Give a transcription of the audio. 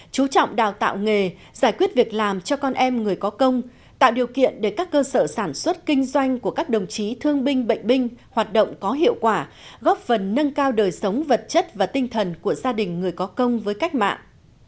chú trọng đào tạo nghề giải quyết việc làm cho con em người có công tạo điều kiện để các cơ sở sản xuất kinh doanh của các đồng chí thương binh bệnh binh hoạt động có hiệu quả góp phần nâng cao đời sống vật chất và tinh thần của gia đình người có công với cách mạng